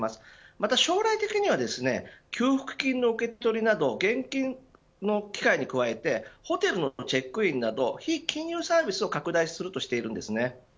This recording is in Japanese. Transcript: また将来的には給付金の受け取りなど現金の機会に加えてホテルのチェックインなど非金融サービスを拡大していくとしています。